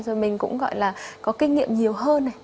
rồi mình cũng gọi là có kinh nghiệm nhiều hơn